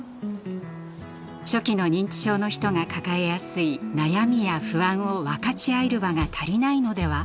初期の認知症の人が抱えやすい悩みや不安を分かち合える場が足りないのでは？